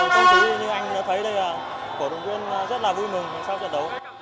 công khí như anh thấy đây là của đội tuyển rất là vui mừng sau trận đấu